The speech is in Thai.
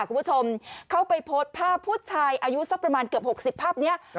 คุณผู้ชมเขาไปโพสต์ภาพผู้ชายอายุสักประมาณเกือบ๖๐ภาพนี้